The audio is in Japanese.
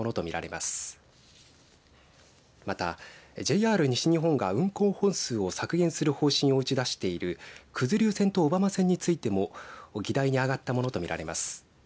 また、ＪＲ西日本が運行本数を削減する方針を打ち出している九頭竜線と小浜線についても議題に上がったものとみられます。